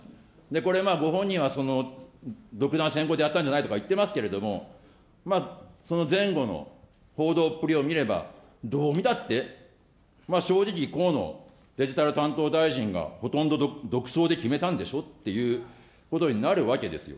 これまあ、ご本人はその独断専行でやったんじゃないとかおっしゃってますけども、その前後の報道っぷりを見ればどう見たって、正直、河野デジタル担当大臣がほとんど独走で決めたんでしょっていうことになるわけですよ。